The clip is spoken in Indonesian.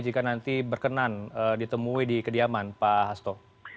jika nanti berkenan ditemui di kediaman pak hasto